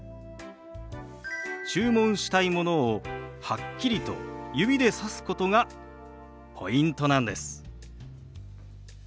注文したいものをはっきりと指でさすことがポイントなんです。